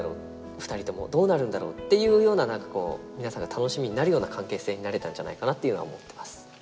２人ともどうなるんだろう？っていうような何かこう皆さんが楽しみになるような関係性になれたんじゃないかなっていうのは思っています。